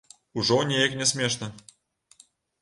Ужо неяк не смешна.